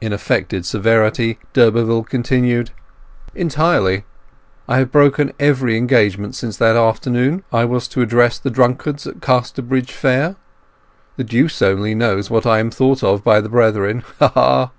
In affected severity d'Urberville continued— "Entirely. I have broken every engagement since that afternoon I was to address the drunkards at Casterbridge Fair. The deuce only knows what I am thought of by the brethren. Ah ha!